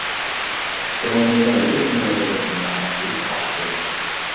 كۆڭلۈمدە يېپيېڭى بىر دۇنيا يۈز ئاچتى.